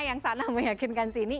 yang sana meyakinkan sini